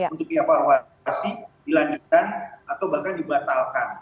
untuk dievaluasi dilanjutkan atau bahkan dibatalkan